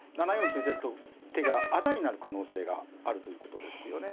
突いてると手があだになる可能性があるということですよね。